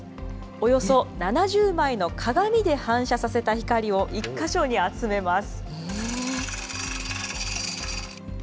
およそ７０枚の鏡で反射させた光を１か所に集めます。